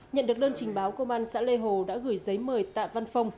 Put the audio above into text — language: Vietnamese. nhận được đơn trình báo công an xã lê hồ đã gửi giấy mời tạ văn phong